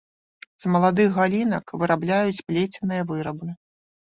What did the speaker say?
З маладых галінак вырабляюць плеценыя вырабы.